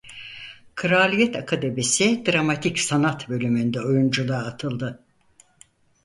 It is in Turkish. Kraliyet Akademisi Dramatik Sanat bölümünde oyunculuğa atıldı.